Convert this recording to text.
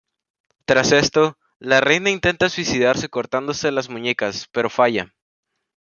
Tras esto, la Reina intenta suicidarse cortándose las muñecas, pero falla.